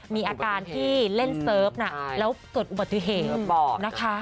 มีอาการที่เล่นเซิร์ฟน่ะแล้วเกิดอุบัติเหตุนะคะ